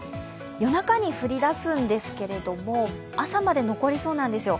夜中に降りだすんですけど、朝まで残りそうなんですよ。